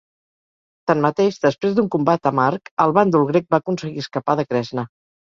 Tanmateix, després d'un combat amarg, el bàndol grec va aconseguir escapar de Kresna.